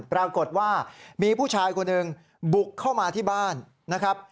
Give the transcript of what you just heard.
ปรากฏว่ามีผู้ชายคนหนึ่งบุกเข้ามาที่บ้านนะครับ